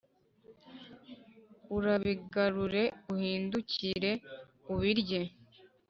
Urabigarure uhindukire ubirye »